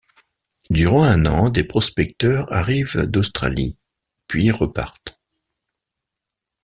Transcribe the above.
Durant un an, des prospecteurs arrivent d'Australie, puis repartent.